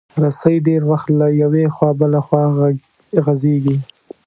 رسۍ ډېر وخت له یوې خوا بله خوا غځېږي.